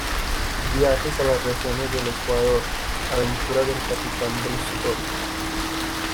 Viajes a las regiones del Ecuador: aventuras del capitán Bristol.